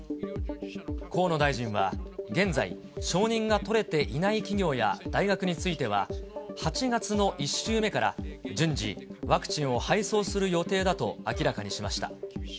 河野大臣は、現在、承認が取れていない企業や大学については、８月の１週目から順次、ワクチンを配送する予定だと明らかにしました。